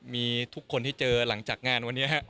มีทุกคนที่เจอหลังจากงานวันนี้